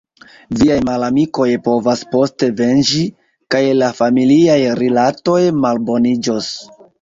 Viaj malamikoj povas poste venĝi – kaj la familiaj rilatoj malboniĝos.